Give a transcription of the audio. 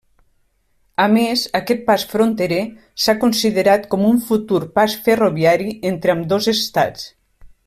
A més, aquest pas fronterer s'ha considerat com un futur pas ferroviari entre ambdós estats.